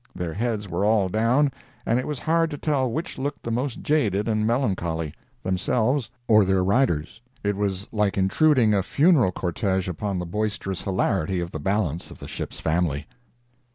Their heads were all down, and it was hard to tell which looked the most jaded and melancholy—themselves or their riders. It was like intruding a funeral cortege upon the boisterous hilarity of the balance of the ship's family.